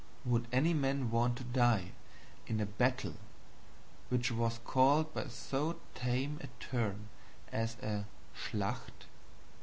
Would any man want to die in a battle which was called by so tame a term as a SCHLACHT?